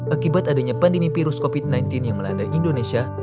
akibat adanya pandemi virus covid sembilan belas yang melanda indonesia